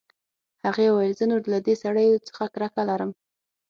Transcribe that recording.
هغې وویل زه نور له دې سړیو څخه کرکه لرم